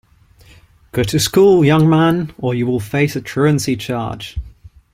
Go to school, young man, or you will face a truancy charge!